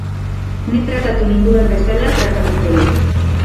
Ni tratatu ninduen bezala tratatuko dut.